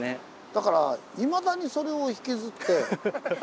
だからいまだにそれを引きずって。